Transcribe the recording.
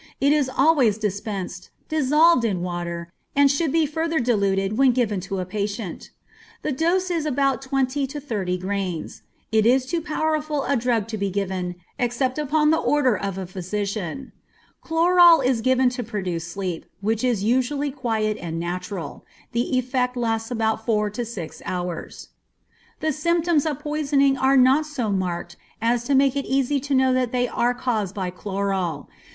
It is always dispensed, dissolved in water, and should be further diluted when given to a patient. The dose is from ten to thirty grains. It is too powerful a drug to be given, except upon the order of a physician. Chloral is given to produce sleep, which is usually quiet and natural. The effect lasts about four or six hours. The symptoms of poisoning are not so marked as to make it easy to know that they are caused by chloral.